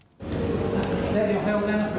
おはようございます